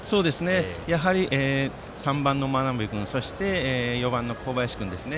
やはり３番の真鍋君そして４番の小林君ですね。